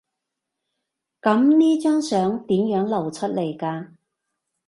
噉呢張相點樣流出㗎？